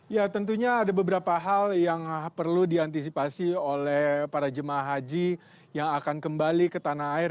ya tentunya ada beberapa hal yang perlu diantisipasi oleh para jemaah haji yang akan kembali ke tanah air